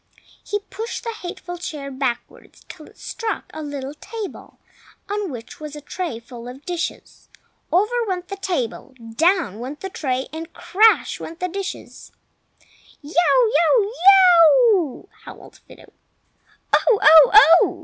He pushed the hateful chair backwards till it struck a little table on which was a tray full of dishes. Over went the table, down went the tray, crash went the dishes! "Yow! yow! yo o o ow!" howled Fido. "Oh! oh! oh!"